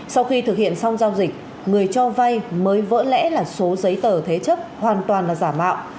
sau khi thực hiện xong giao dịch người cho vay mới vỡ lẽ là số giấy tờ thế chấp hoàn toàn là giả mạo